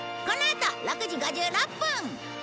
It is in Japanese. このあと６時５６分！